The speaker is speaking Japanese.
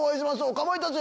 「かまいたち」